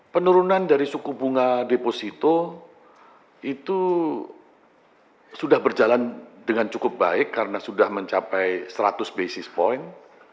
penurunan dari suku bunga deposito itu sudah berjalan dengan cukup baik karena sudah mencapai seratus basis point